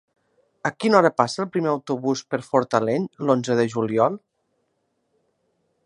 A quina hora passa el primer autobús per Fortaleny l'onze de juliol?